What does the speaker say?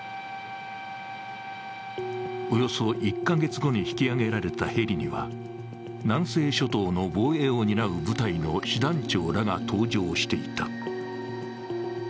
およそ１か月後に引き揚げられたヘリには南西諸島の防衛を担う部隊の師団長らが搭乗していた。